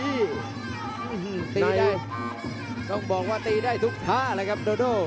ตีได้ต้องบอกว่าตีได้ทุกท่าเลยครับโดโด